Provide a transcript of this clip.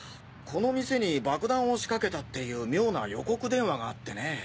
この店に爆弾を仕掛けたっていう妙な予告電話があってね。